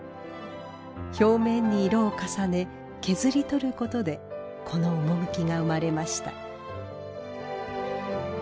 表面に色を重ね削り取ることでこの趣が生まれました。